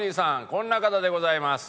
こんな方でございます。